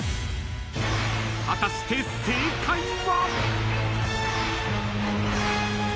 ［果たして正解は？］